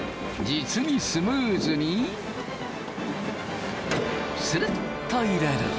実にスムーズにするっと入れる。